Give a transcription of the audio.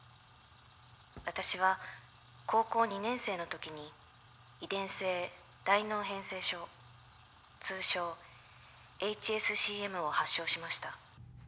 私は高校２年生の時に遺伝性大脳変性症通称ＨＳＣＭを発症しました。